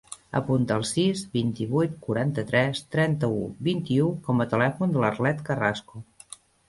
Apunta el sis, vint-i-vuit, quaranta-tres, trenta-u, vint-i-u com a telèfon de l'Arlet Carrasco.